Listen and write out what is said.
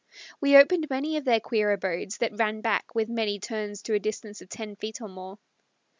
We opened many of their queer abodes that ran back with many turns to a distance of ten feet or more.